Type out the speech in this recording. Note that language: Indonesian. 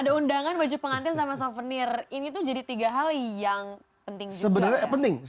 ada undangan baju pengantin sama souvenir ini tuh jadi tiga hal yang penting juga